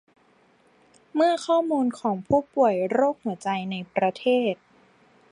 เมื่อข้อมูลของผู้ป่วยโรคหัวใจในประเทศ